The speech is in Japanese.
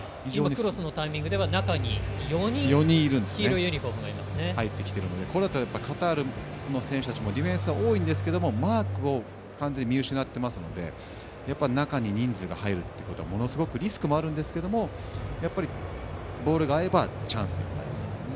クロスのタイミングでは中に４人これだとカタールの選手たちもディフェンスは多いんですがマークを完全に見失っていたので中に人数が入ることはものすごくリスクもあるんですけどやっぱりボールが合えばチャンスになりますからね。